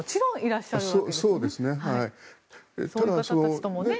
そうですね。